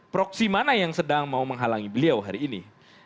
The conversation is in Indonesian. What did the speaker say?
proksi mana yang sedang mau menghalangi beliau hari ini